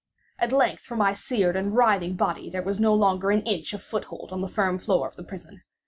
At length for my seared and writhing body there was no longer an inch of foothold on the firm floor of the prison.